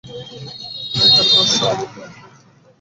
আমরা এখানে দশ-আউট-অফ-টেন-এর বাইরে চলেছি।